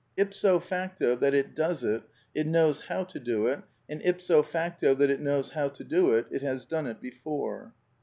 Ipso facto that it does it, it knows how to do it, and ipso facto that it knows how to do it, it has done it before."